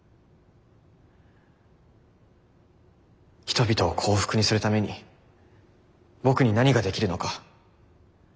人々を幸福にするために僕に何ができるのか。